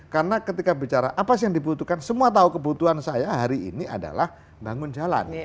karena ketika bicara apa sih yang dibutuhkan semua tahu kebutuhan saya hari ini adalah bangun jalan